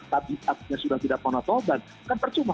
tadi sudah tidak mau nonton kan percuma